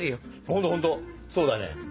ほんとほんとそうだね。